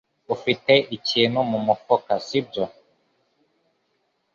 Ufite ikintu mu mufuka sibyo